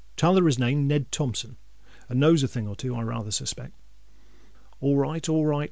T'other is named Ned Thompson, and knows a thing or two, I rather suspect." "All right—all right!"